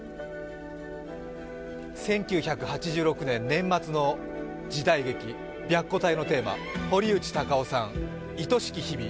１９８６年、年末の時代劇、「白虎隊」のテーマ、堀内孝雄さん、「愛しき日々」